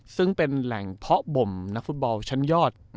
ซึ่งเป็นแหล่งเพาะบ่มนักฟุตบอลชั้นยอด